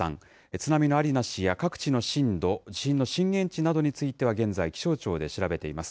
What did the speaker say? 津波のありなしや各地の震度、地震の震源地などについては現在気象庁で調べています。